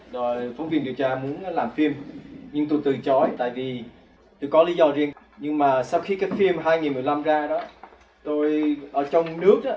tôi ở trong nước đó